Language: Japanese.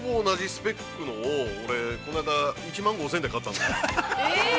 あれ、ほぼ同じスペックのをこの間、◆１万５０００円で買ったんです。